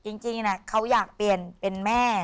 จริงเขาอยากเปลี่ยนเป็นแม่